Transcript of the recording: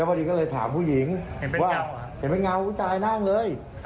กระทิ้งแจ้งถามผู้หญิงได้เรื่องเลย